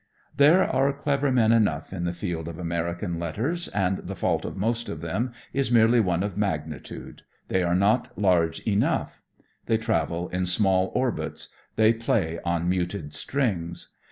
There are clever men enough in the field of American letters, and the fault of most of them is merely one of magnitude; they are not large enough; they travel in small orbits, they play on muted strings.